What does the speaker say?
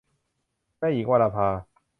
แม่หญิง - วราภา